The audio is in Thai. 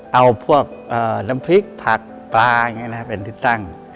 เอาน้ำพริกผักปลาอย่างนี้เป็นท่ี่ตั้ง